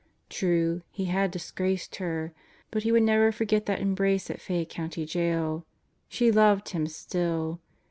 True, he had disgraced her. But he could never forget that embrace at Fayette County Jail. She loved him still.